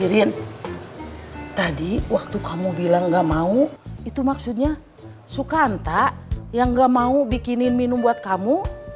irin tadi waktu kamu bilang gak mau itu maksudnya suka anta yang gak mau bikinin minum buat kamu